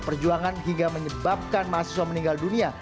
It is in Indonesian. perjuangan hingga menyebabkan mahasiswa meninggal dunia